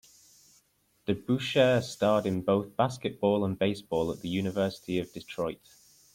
DeBusschere starred in both basketball and baseball at the University of Detroit.